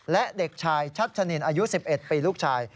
และเด็กชายชัชนินอายุ๑๑ปีลูกชาย